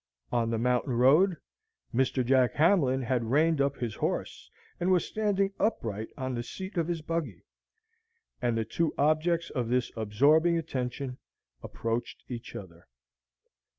On the mountain road, Mr. Jack Hamlin had reined up his horse, and was standing upright on the seat of his buggy. And the two objects of this absorbing attention approached each other.